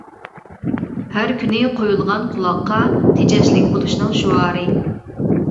ھەر كۈنى قۇيۇلغان قۇلاققا، تېجەشلىك بولۇشنىڭ شوئارى.